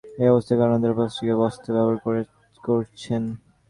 এ অবস্থার কারণে তাঁরা প্লাস্টিকের বস্তা ব্যবহার করছেন।